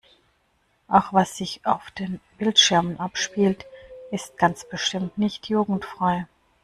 Auch was sich auf den Bildschirmen abspielt ist ganz bestimmt nicht jugendfrei.